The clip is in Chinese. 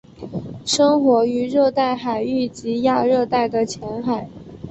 生活于热带海域及亚热带的浅海。